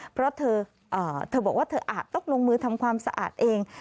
เพราะเธอบอกว่าเธออาจต้องลงมือทำความสะอาดเอง